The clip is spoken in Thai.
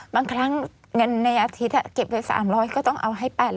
บางครั้งเงินในอาทิตย์เก็บไป๓๐๐ก็ต้องเอาให้๘๐๐